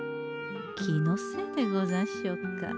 気のせいでござんしょうか？